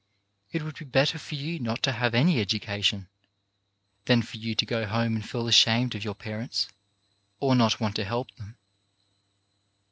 It would be better for you not to have any education, than for you to go home and feel ashamed of your parents, or not want to help them.